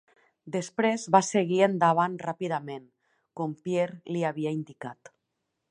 Després va seguir endavant ràpidament, com Pierre li havia indicat.